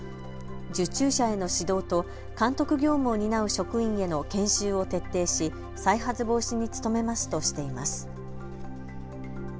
受注者への指導と監督業務を担う職員への研修を徹底し再発防止に努めますとしています。